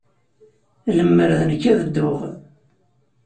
Lemmer d nekk, ad dduɣ.